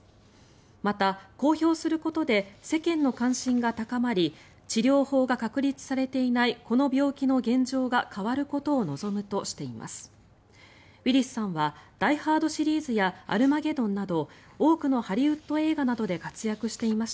また、公表することで世間の関心が高まり治療法が確立されていないこの病気の現状が変わることを望むとしています。